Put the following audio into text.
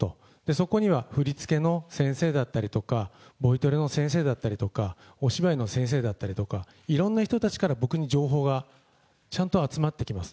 そこには振り付けの先生だったりとか、ボイトレの先生だったりとか、お芝居の先生であったりとか、いろんな人たちから僕に情報が、ちゃんと集まってきます。